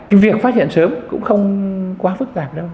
cái việc phát hiện sớm cũng không quá phức tạp đâu